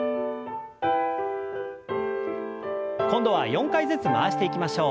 今度は４回ずつ回していきましょう。